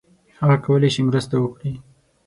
هغه کولای شي مرسته وکړي.